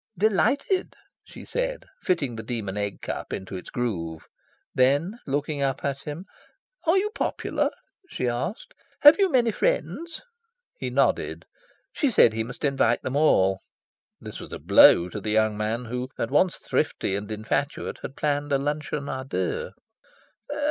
"Delighted," she said, fitting the Demon Egg Cup into its groove. Then, looking up at him, "Are you popular?" she asked. "Have you many friends?" He nodded. She said he must invite them all. This was a blow to the young man, who, at once thrifty and infatuate, had planned a luncheon a deux.